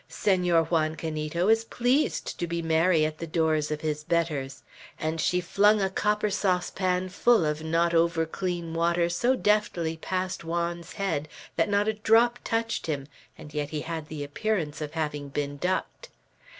"Senor Juan Canito is pleased to be merry at the doors of his betters;" and she flung a copper saucepan full of not over clean water so deftly past Juan's head, that not a drop touched him, and yet he had the appearance of having been ducked.